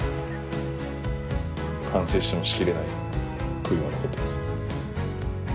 反省してもしきれない悔いが残ってます。